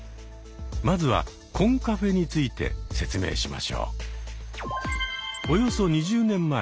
まずはコンカフェについて説明しましょう。